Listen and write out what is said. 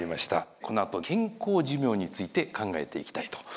このあと健康寿命について考えていきたいと思います。